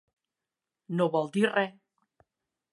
No vol dir res.